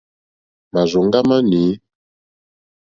Màrzòŋɡá má nǐ.